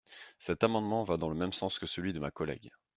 Cet amendement va dans le même sens que celui de ma collègue.